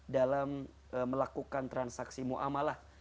dalam melakukan transaksi mu'amalah